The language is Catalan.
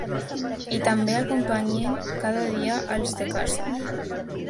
I també acompanyen cada dia als de casa.